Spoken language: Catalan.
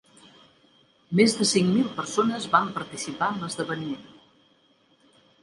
Més de cinc mil persones van participar en l'esdeveniment.